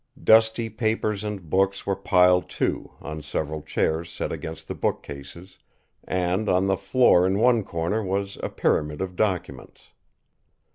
Dusty papers and books were piled, too, on several chairs set against the bookcases, and on the floor in one corner was a pyramid of documents.